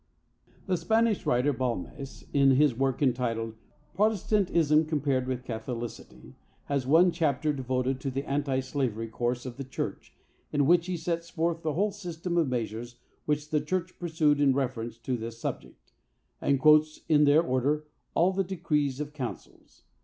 The Spanish writer, Balmes, in his work entitled "Protestantism compared with Catholicity," has one chapter devoted to the anti slavery course of the church, in which he sets forth the whole system of measures which the church pursued in reference to this subject, and quotes, in their order, all the decrees of councils.